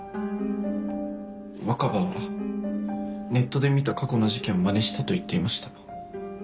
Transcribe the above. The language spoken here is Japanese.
若葉はネットで見た過去の事件をまねしたと言っていました。